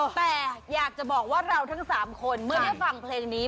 แต่อยากจะบอกว่าเราทั้ง๓คนเมื่อได้ฟังเพลงนี้